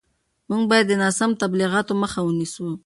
موږ باید د ناسم تبلیغاتو مخه ونیسو.